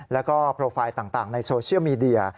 แล้วก็โปรไฟล์ต่างในโซเชียลมีเดีย